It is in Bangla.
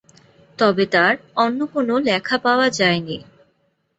তবে তার অন্য কোনো লেখা পাওয়া যায়নি।